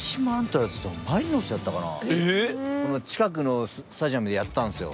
近くのスタジアムでやったんですよ。